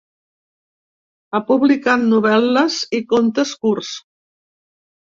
Ha publicat novel·les i contes curts.